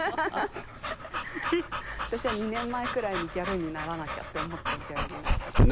私は２年前くらいにギャルにならなきゃって思ってギャルになり始めました。